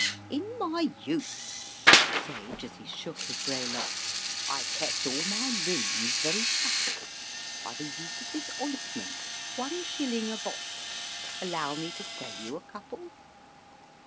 "In my youth," said the sage, as he shook his grey locks, "I kept all my limbs very supple By the use of this ointment one shilling a box Allow me to sell you a couple?"